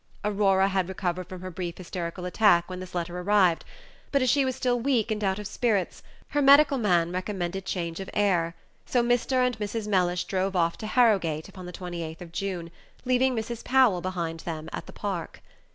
Aurora had recovered from her brief hysterical attack when this letter arrived; but, as she was still weak and out of spirits, her medical man recommended change of air; so Mr. and Mrs. Mellish drove off to Harrowgate upon the 28th of June, leaving Mrs. Powell behind them at the Park.